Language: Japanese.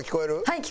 はい。